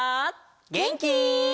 げんき？